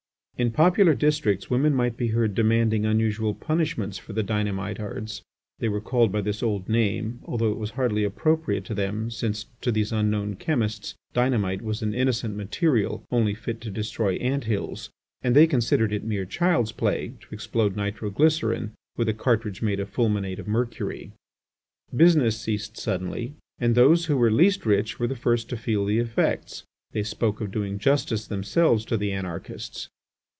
In popular districts women might be heard demanding unusual punishments for the dynamitards. (They were called by this old name, although it was hardly appropriate to them, since, to these unknown chemists, dynamite was an innocent material only fit to destroy ant hills, and they considered it mere child's play to explode nitro glycerine with a cartridge made of fulminate of mercury.) Business ceased suddenly, and those who were least rich were the first to feel the effects. They spoke of doing justice themselves to the anarchists.